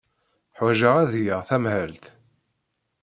Ḥwajeɣ ad geɣ tamhelt.